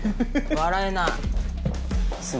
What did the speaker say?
笑えない。